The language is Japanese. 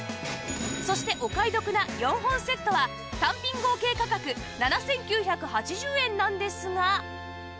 そしてお買い得な４本セットは単品合計価格７９８０円なんですが